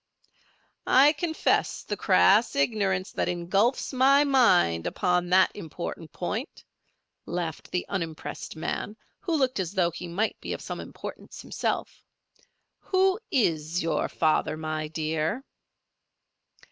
"I confess the crass ignorance that engulfs my mind upon that important point," laughed the unimpressed man, who looked as though he might be of some importance himself. "Who is your father, my dear?"